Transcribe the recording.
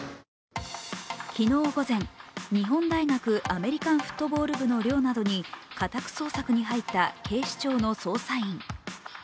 昨日午前、日本大学アメリカンフットボール部の寮などに家宅捜索に入った警視庁の捜査員。